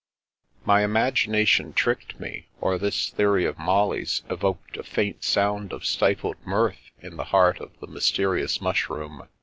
My imagination tricked me, or this theory of Molly's evoked a faint sound of stifled mirth in the heart of the mysterious mushroom.